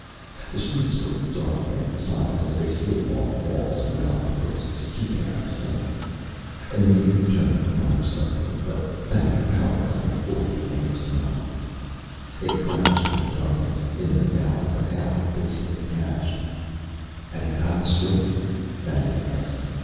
The streets were dark and silent as they slid along walls and around posts, keeping out of sight. A native turned a corner suddenly, but Fannia paralyzed him before he could make a sound. They crouched in the darkness, in the mouth of an alley facing the cache. "Have you got it straight?" Fannia asked.